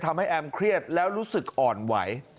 ทำให้แอมเครียดแล้วรู้สึกอ่อนไหว